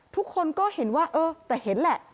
ทุกคนก็เห็นว่าเออแต่เห็นแหละ